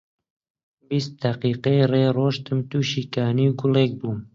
بیست دەقیقە ڕێ ڕۆیشتم، تووشی کانی و گۆلێک بوو